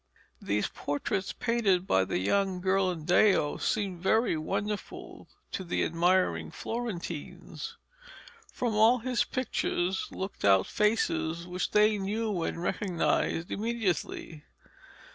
These portraits painted by the young Ghirlandaio seemed very wonderful to the admiring Florentines. From all his pictures looked out faces which they knew and recognised immediately.